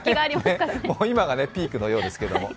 今がピークのようですけれども。